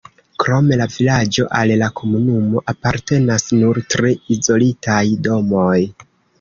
Krom la vilaĝo al la komunumo apartenas nur tri izolitaj domoj.